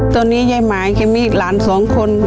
ตอนนี้ยายหมายแค่มีหลาน๒คน